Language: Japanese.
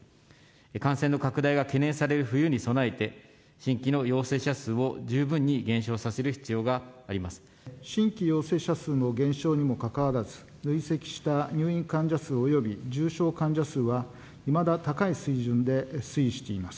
感染の拡大が懸念される冬に備えて新規の陽性者数を十分に減少さ新規陽性者数の減少にもかかわらず、累積した入院患者数および重症患者数は、いまだ高い水準で推移しています。